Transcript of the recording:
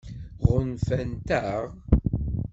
Ɣunfant-aɣ?